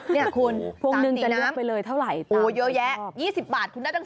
นี่คุณสามสิน้ำโอ้โฮเยอะแยะ๒๐บาทคุณได้ตั้ง๔อ่ะ